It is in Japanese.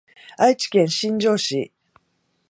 愛知県新城市